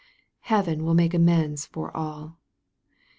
Heaven will make amends for all.